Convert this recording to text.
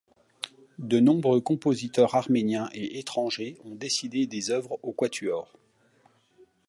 De nombreux compositeurs arméniens et étrangers ont dédié des œuvres au quatuor.